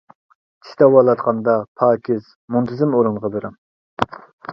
چىش داۋالاتقاندا پاكىز، مۇنتىزىم ئورۇنغا بېرىڭ.